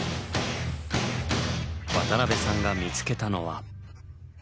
渡辺さんが見つけたのは。